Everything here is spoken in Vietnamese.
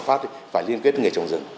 phải liên kết với người trồng rừng